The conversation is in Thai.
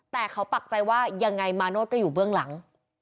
แต่เขาปักใจว่ายังไงมาโนธก็อยู่เบื้องหลัง